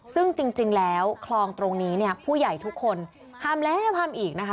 ซึ่งจริงแล้วคลองตรงนี้เนี่ยผู้ใหญ่ทุกคนห้ามแล้วห้ามอีกนะคะ